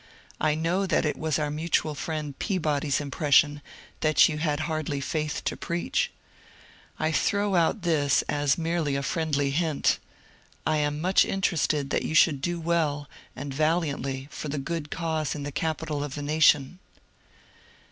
I know that it was our mutual friend Peabody's impression that you had hardly faith to preach. I throw out this as merely a friendly hint. I am much interested that you should do well and valiantly for the good cause in the capital of the nation.